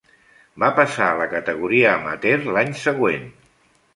Va passar a la categoria amateur l'any següent.